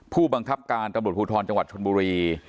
ผู้บังคับการตำรวจภูทรจังหวัดชนบุรี